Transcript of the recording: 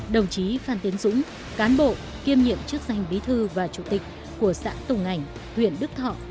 đồng chí phan tiến dũng cán bộ kiêm nhiệm chức danh bí thư và chủ tịch của xã tùng ảnh huyện đức thọ